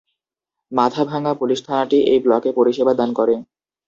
Mathabhanga police থানাটি এই ব্লকে পরিষেবা দান করে।